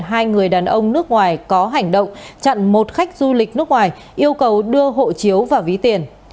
hai người đàn ông nước ngoài có hành động chặn một khách du lịch nước ngoài yêu cầu đưa hộ chiếu và ví tiền